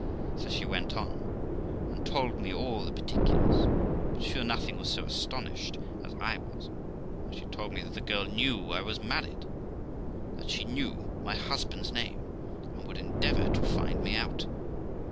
So she went on and told me all the parti culars ; but sure nothing was so astonished as I was, when she told me that the girl knew I was married, that she knew my husband's name, and would endeavour to find me out.